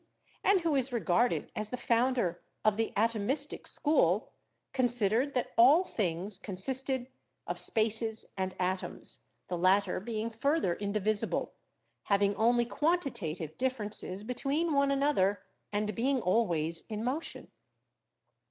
and who is regarded as the founder of the Atomistic school, consid ered that all things consisted of spaces and atoms, the latter being further indivisible, having only quantitative differences between one another and being always in motion.